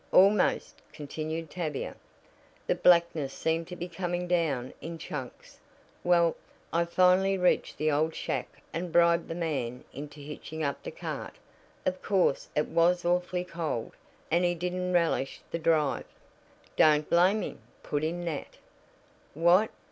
"Almost," continued Tavia. "The blackness seemed to be coming down in chunks. Well, I finally reached the old shack and bribed the man into hitching up the cart. Of course, it was awfully cold, and he didn't relish the drive." "Don't blame him," put in Nat. "What?"